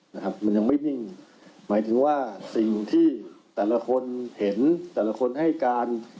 นะครับมันยังไม่นิ่งหมายถึงว่าสิ่งที่แต่ละคนเห็นแต่ละคนให้การ